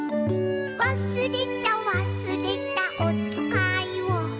「わすれたわすれたおつかいを」